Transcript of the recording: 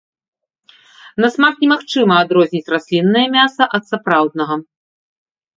На смак немагчыма адрозніць расліннае мяса ад сапраўднага.